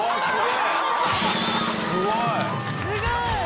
すごい！